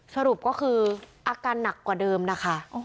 สรุปก็คืออาการหนักกว่าเดิมนะคะ